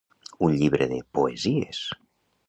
-Un llibre de, poesies!…